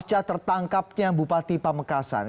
percat tertangkapnya bupati pamekasan